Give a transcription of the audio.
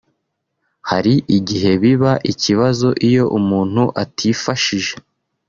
hari igihe biba ikibazo iyo umuntu atifashije